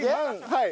はい。